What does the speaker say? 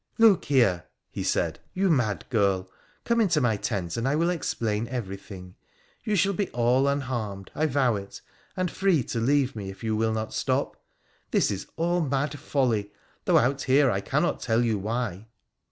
' Look here,' he said, ' you mad girl. Come into my tent and I will explain everything. You shall be all unharmed, I vow it, and free to leave me if you will not stop — this is all mad folly, though out here I cannot tell you why.'